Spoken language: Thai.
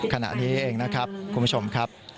ขณะนี้เองนะครับคุณผู้ชมครับ